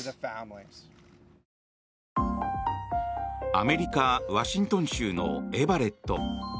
アメリカ・ワシントン州のエバレット。